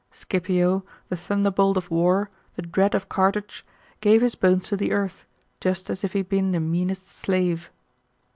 Scipio, the thunderbolt of war, the dread of Carthage, gave his bones to the earth, just as if he had been the meanest slave.